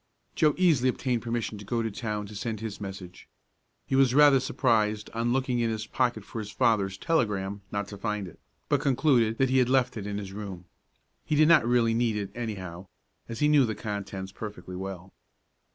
Joe easily obtained permission to go to town to send his message. He was rather surprised on looking in his pocket for his father's telegram, not to find it, but concluded that he had left it in his room. He did not really need it, anyhow, as he knew the contents perfectly well.